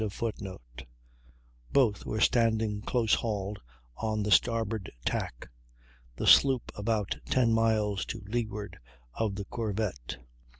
] Both were standing close hauled on the starboard tack, the sloop about 10 miles to leeward of the corvette.